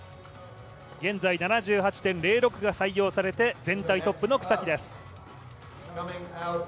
現在７８．０６が採用されて全体トップの草木です。